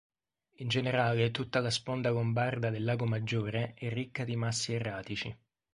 In generale, tutta la sponda lombarda del Lago Maggiore è ricca di massi erratici.